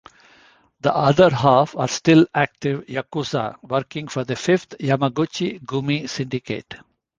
The other half are still active yakuza working for the Fifth Yamaguchi-gumi syndicate.